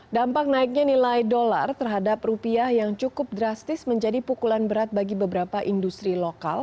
dampak naiknya nilai dolar terhadap rupiah yang cukup drastis menjadi pukulan berat bagi beberapa industri lokal